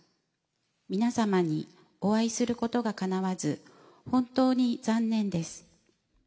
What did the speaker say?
皆様にお会いすることがかなわず、本当に残念です。